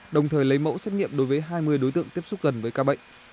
đồng thời lấy mẫu xét nghiệm đối với hai mươi đối tượng tiếp xúc gần với ca bệnh